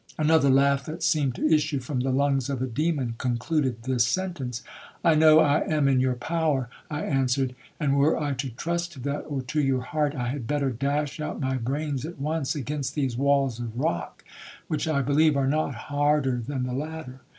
Another laugh, that seemed to issue from the lungs of a demon, concluded this sentence. 'I know I am in your power,' I answered; 'and were I to trust to that, or to your heart, I had better dash out my brains at once against these walls of rock, which I believe are not harder than the latter.